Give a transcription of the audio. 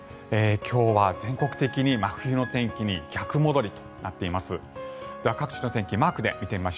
今日は全国的に真冬の天気に逆戻りとなっています。